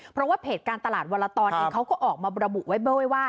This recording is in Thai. เพราะว่าเพจการตลาดวรตอนเองเขาก็ออกมาระบุไว้เบิ้ว่า